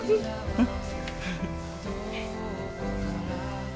うん。